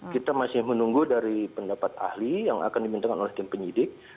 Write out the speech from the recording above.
kita masih menunggu dari pendapat ahli yang akan dimintakan oleh tim penyidik